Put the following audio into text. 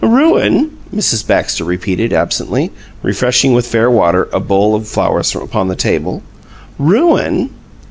"Ruin?" Mrs. Baxter repeated, absently, refreshing with fair water a bowl of flowers upon the table. "Ruin?"